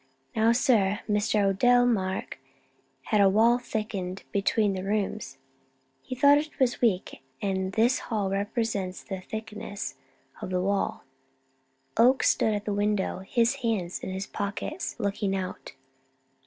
Now, sir, Mr. Odell Mark had the wall thickened between the rooms; he thought it was weak, and this hall represents the thickness of the wall." Oakes stood at the window, his hands in his pockets, looking out.